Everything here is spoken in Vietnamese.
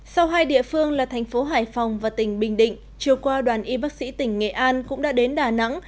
sau hai địa phương là thành phố hải phòng và tỉnh bình định chiều qua đoàn y bác sĩ tỉnh nghệ an cũng đã đến đà nẵng